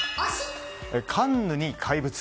カンヌに怪物。